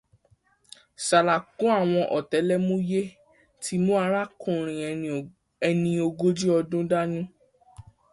Sàlàkọ́ àti àwọn ọ̀tẹlẹ̀múyẹ́ ti mú arákùnrin ẹní ogójì ọdún dání